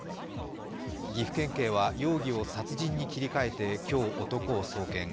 岐阜県警は容疑を殺人に切り替えて今日、男を送検。